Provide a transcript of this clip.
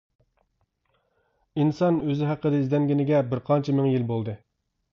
ئىنسان ئۆزى ھەققىدە ئىزدەنگىنىگە بىرقانچە مىڭ يىل بولدى.